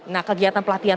nah kegiatan pelatihan